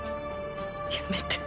やめて。